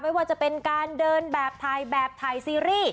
ไม่ว่าจะเป็นการเดินแบบถ่ายแบบถ่ายซีรีส์